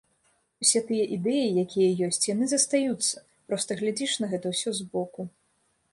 Усе тыя ідэі, якія ёсць, яны застаюцца, проста глядзіш на гэта ўсё збоку.